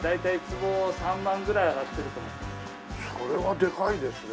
それはでかいですね。